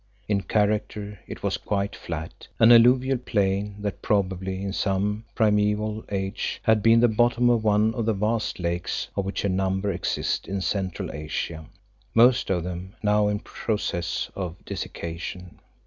In character it was quite flat, an alluvial plain that probably, in some primeval age, had been the bottom of one of the vast lakes of which a number exist in Central Asia, most of them now in process of desiccation.